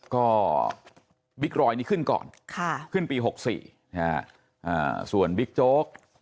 ก็บิ๊กรอยนี้ขึ้นก่อนขึ้นปี๖๔ส่วนบิ๊กโจ๊ก